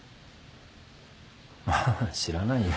ああ知らないよ。